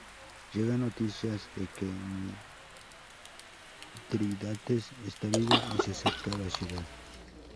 Llegan noticias de que Mitrídates está vivo y se acerca a la ciudad.